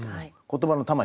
言葉の魂。